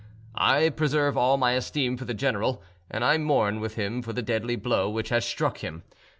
"I preserve all my esteem for the general, and I mourn with him for the deadly blow which has struck him.